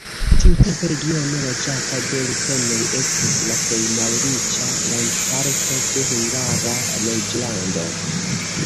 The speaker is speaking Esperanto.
Tiutempe regiono loĝata de rutenoj estis la plej malriĉa landparto de Hungara reĝlando.